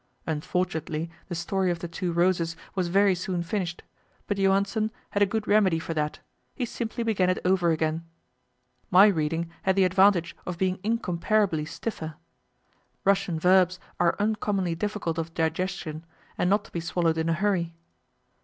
Unfortunately the story of the Two Roses was very soon finished; but Johansen had a good remedy for that: he simply began it over again. My reading had the advantage of being incomparably stiffer. Russian verbs are uncommonly difficult of digestion, and not to be swallowed in a hurry.